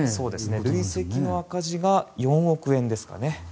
累積の赤字が４億円ですかね。